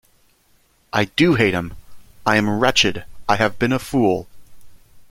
I do hate him — I am wretched — I have been a fool!